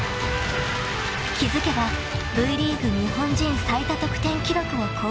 ［気付けばＶリーグ日本人最多得点記録を更新］